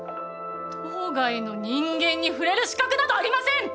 島外の人間に触れる資格などありません！